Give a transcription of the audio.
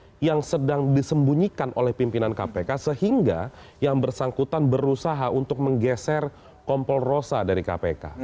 yang terakhir apakah pemimpinan kpk yang disembunyikan oleh pimpinan kpk sehingga yang bersangkutan berusaha untuk menggeser kompor rosa dari kpk